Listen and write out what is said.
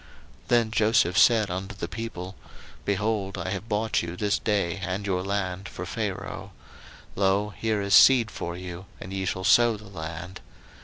01:047:023 Then Joseph said unto the people, Behold, I have bought you this day and your land for Pharaoh: lo, here is seed for you, and ye shall sow the land.